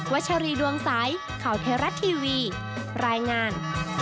วัชรีดวงสายข่าวเทรัตน์ทีวีรายงาน